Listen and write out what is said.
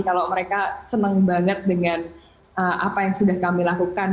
kalau mereka senang banget dengan apa yang sudah kami lakukan